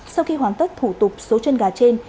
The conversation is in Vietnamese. sau khi hoàn tất thủ tục số chân gà trên